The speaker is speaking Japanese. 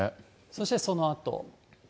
そしてそのあと。